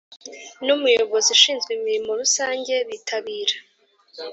N umuyobozi ushinzwe imirimo rusange bitabira